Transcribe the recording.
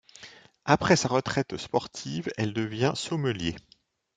Après sa retraite sportive, elle devient sommelier.